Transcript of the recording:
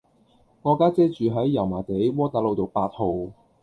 我家姐住喺油麻地窩打老道八號